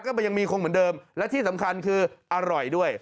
ก็ยังมีคงเหมือนเดิมและที่สำคัญคืออร่อยด้วย